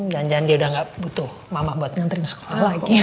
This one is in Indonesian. jangan jangan dia udah gak butuh mama buat nganterin sekolah lagi